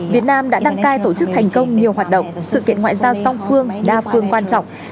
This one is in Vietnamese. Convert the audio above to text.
việt nam đã đăng cai tổ chức thành công nhiều hoạt động sự kiện ngoại giao song phương đa phương quan trọng